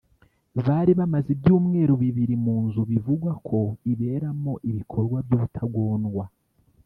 bari bamaze ibyumweru bibiri mu nzu bivugwa ko iberamo ibikorwa by’ubutagondwa